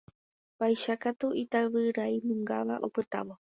Vaicháku itavyrainungáva opytávo.